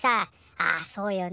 「あそうよね。